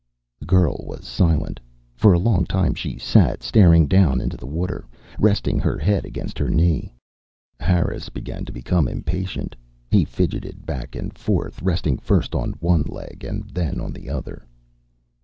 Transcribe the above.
The girl was silent. For a long time she sat, staring down into the water, resting her head against her knee. Harris began to become impatient. He fidgeted back and forth, resting first on one leg and then on the other.